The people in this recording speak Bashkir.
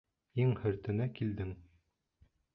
Иң хөртөнә килдең.